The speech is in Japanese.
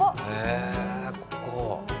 へえーここ？